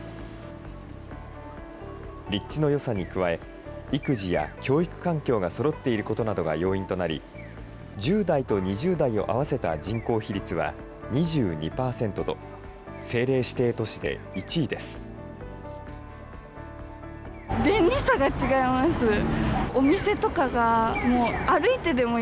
立地のよさに加え、育児や教育環境がそろっていることなどが要因となり、１０代と２０代を合わせた人口比率は２２％と、政令指定都市で１位です。